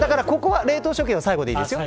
冷凍食品は最後でいいですよ。